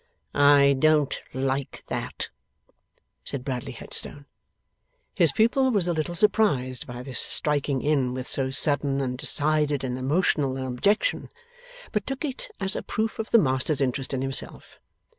'I don't like that,' said Bradley Headstone. His pupil was a little surprised by this striking in with so sudden and decided and emotional an objection, but took it as a proof of the master's interest in himself.